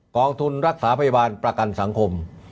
กองทุนรักษาพยาบาลประกันสังคม